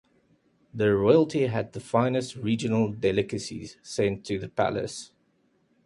The royalty had the finest regional delicacies sent to the palace.